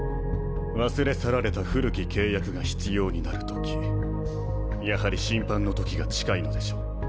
忘れ去られた古き契約が必要になるときやはり審判の時が近いのでしょう。